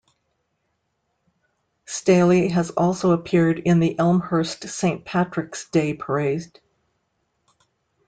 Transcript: Staley has also appeared in the Elmhurst Saint Patrick's Day Parade.